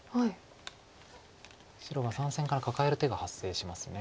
白が３線からカカえる手が発生します。